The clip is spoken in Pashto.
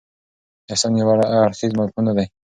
احسان یو اړخیز مفهوم نه دی.